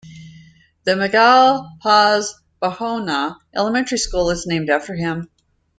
The Miguel Paz Barahona Elementary School is named after him.